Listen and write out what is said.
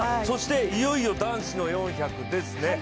いよいよ男子の４００ですね。